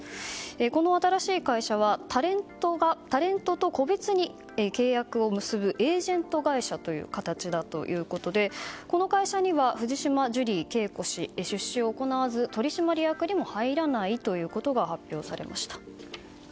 この新しい会社はタレントと個別に契約を結ぶエージェント会社という形だそうでこの会社には藤島ジュリー景子氏は出資を行わず取締役にも入らないということが発表されました。